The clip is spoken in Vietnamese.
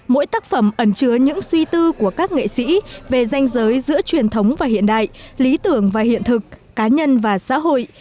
mỗi tác phẩm ẩn chứa những suy tư của các nghệ sĩ về danh giới giữa truyền thống và hiện đại lý tưởng và hiện thực cá nhân và xã hội